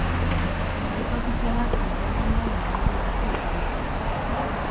Emaitza ofizialak astelehenean emango dituzte ezagutzera.